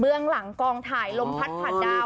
หลังกองถ่ายลมพัดผ่านดาว